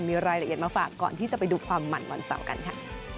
มีรายละเอียดมาฝากก่อนที่จะไปดูความหมั่นวันเสาร์กันค่ะ